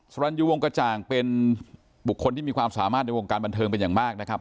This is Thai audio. รันยูวงกระจ่างเป็นบุคคลที่มีความสามารถในวงการบันเทิงเป็นอย่างมากนะครับ